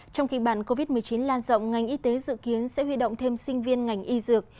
trong khi bệnh covid một mươi chín lan rộng ngành y tế dự kiến sẽ huy động thêm sinh viên ngành y dược